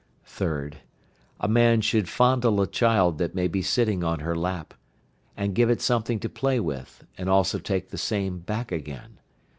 3rd. The man should fondle a child that may be sitting on her lap, and give it something to play with, and also take the same back again.